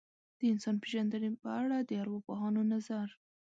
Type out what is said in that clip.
د انسان پېژندنې په اړه د ارواپوهانو نظر.